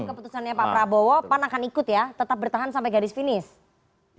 jadi apakah keputusannya pak prabowo pan akan ikut ya tetap bertahan sampai garis finish